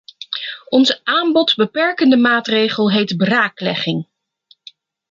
Onze aanbodbeperkende maatregel heet braaklegging.